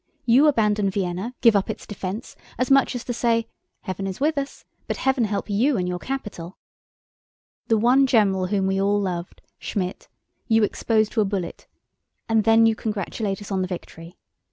You abandon Vienna, give up its defense—as much as to say: 'Heaven is with us, but heaven help you and your capital!' The one general whom we all loved, Schmidt, you expose to a bullet, and then you congratulate us on the victory!